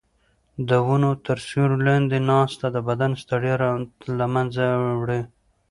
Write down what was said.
د ونو تر سیوري لاندې ناسته د بدن ستړیا له منځه وړي.